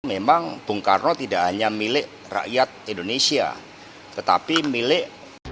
memang bung karno tidak hanya milik rakyat indonesia tetapi milik